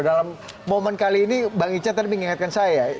dalam momen kali ini bang ica tadi mengingatkan saya